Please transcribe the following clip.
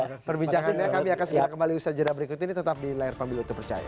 untuk perbincangannya kami akan kembali usaha jadwal berikut ini tetap di layar pemilu itu percaya